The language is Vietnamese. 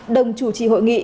đồng chủ trì hội nghị